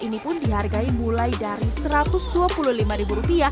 ini pun dihargai mulai dari rp satu ratus dua puluh lima